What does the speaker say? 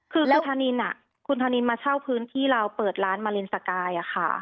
คือคุณธนินมาเช่าพื้นที่เราเปิดร้านมาลินสกายค่ะ